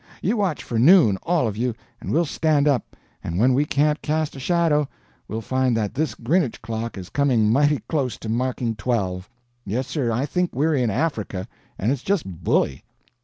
You watch for noon, all of you, and we'll stand up, and when we can't cast a shadow we'll find that this Grinnage clock is coming mighty close to marking twelve. Yes, sir, I think we're in Africa; and it's just bully."